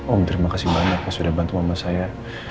om terima kasih banyak udah bantu mama saya